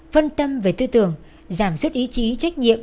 phân tâm về tư tưởng giảm suốt ý chí trách nhiệm